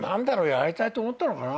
やりたいと思ったのかな？